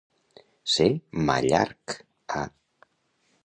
Ser mà-llarg, -a.